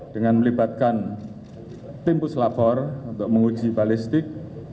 dengan melibatkan tim puslapor untuk menguji balistik